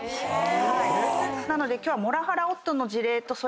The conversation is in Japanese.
なので今日は。